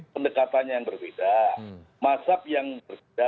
pendekatannya yang berbeda